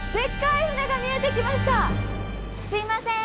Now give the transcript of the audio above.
すいません！